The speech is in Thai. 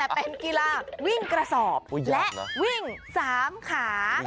เป็นกีฬาวิ่งกระสอบและวิ่ง๓ขา